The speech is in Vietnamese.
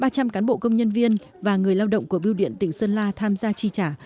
ba trăm linh cán bộ công nhân viên và người lao động của biêu điện tỉnh sơn la tham gia chi trả